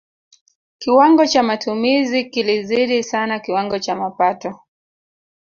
kiwango cha matumizi kilizidi sana kiwango cha mapato